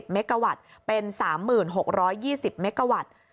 เมกาวัตต์เป็น๓๖๒๐เมกาวัตต์